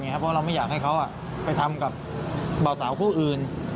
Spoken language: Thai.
เพราะเราไม่อยากให้เขาไปทำกับเบาสาวคู่อื่น